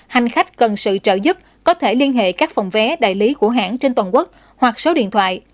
hành khách cần sự trợ giúp có thể liên hệ các phòng vé đại lý của hãng trên toàn quốc hoặc số điện thoại